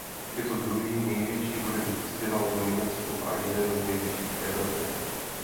Je to druhý největší hudební festival v Německu a jeden z největších v Evropě.